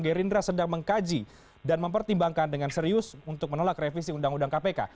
gerindra sedang mengkaji dan mempertimbangkan dengan serius untuk menolak revisi undang undang kpk